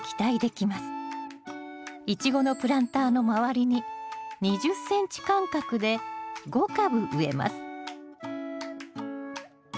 イチゴのプランターの周りに２０ｃｍ間隔で５株植えます